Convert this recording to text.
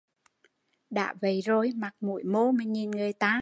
Đã vậy rồi mặt mũi mô mà nhìn người ta